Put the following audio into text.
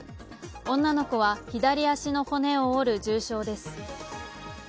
女の子は左足の骨を折る重傷です。